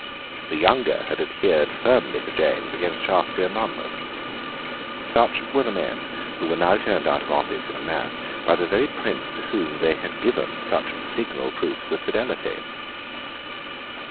The younger had adhered firmly to James against Shaftesury and Monmouth. Such were the men who were now turned out of office in a mass by the very prince to whom they had given such signal proofs of fidelity.